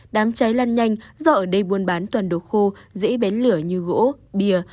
đám cháy lan nhanh do ở đây buôn bán toàn đồ khô dễ bén lửa như gỗ bìa